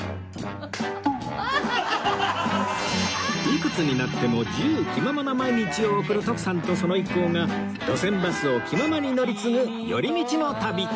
いくつになっても自由気ままな毎日を送る徳さんとその一行が路線バスを気ままに乗り継ぐ寄り道の旅